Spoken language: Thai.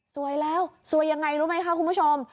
สวยแล้วสวยยังไงรู้ไหมคะคุณผู้ชม